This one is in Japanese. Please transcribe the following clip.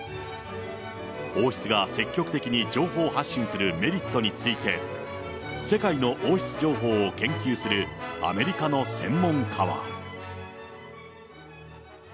王室が積極的に情報発信するメリットについて、世界の王室情報を研究するアメリカの専門家は。